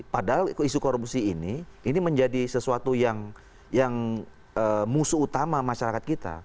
padahal isu korupsi ini ini menjadi sesuatu yang musuh utama masyarakat kita